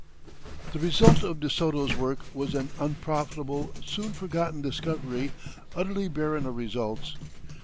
The result of De Soto's work was an unprofitable, soon forgotten discovery, utterly barren of results.